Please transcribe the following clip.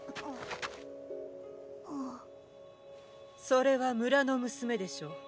それは村の娘でしょう。